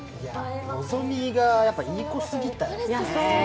希美がいい子すぎたよね。